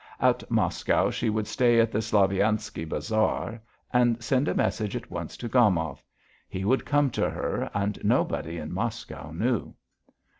At Moscow she would stay at the "Slaviansky Bazaar" and send a message at once to Gomov. He would come to her, and nobody in Moscow knew.